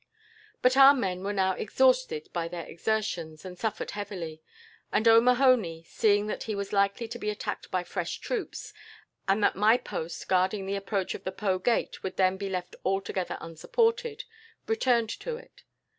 "But our men were now exhausted by their exertions, and suffered heavily; and O'Mahony, seeing that he was likely to be attacked by fresh troops, and that my post guarding the approach of the Po gate would then be left altogether unsupported, returned to it.